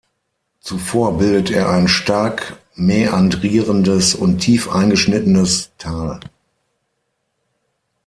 Zuvor bildet er ein stark mäandrierendes und tief eingeschnittenes Tal.